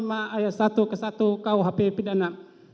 ayat satu ke satu kuhp pidana